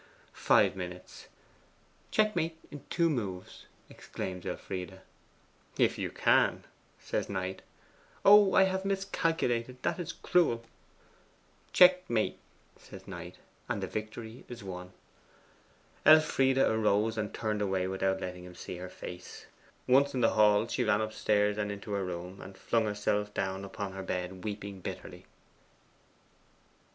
Five minutes: 'Checkmate in two moves!' exclaims Elfride. 'If you can,' says Knight. 'Oh, I have miscalculated; that is cruel!' 'Checkmate,' says Knight; and the victory is won. Elfride arose and turned away without letting him see her face. Once in the hall she ran upstairs and into her room, and flung herself down upon her bed, weeping bitterly.